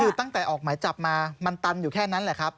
คือตั้งแต่ออกหมายจับมามันตันอยู่แค่นั้นแหละครับ